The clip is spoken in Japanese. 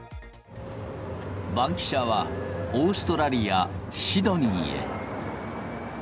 バンキシャは、オーストラリア・シドニーへ。